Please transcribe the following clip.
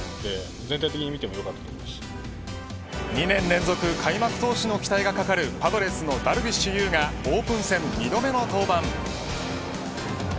２年連続開幕投手の期待がかかるパドレスのダルビッシュ有がオープン戦２度目の登板。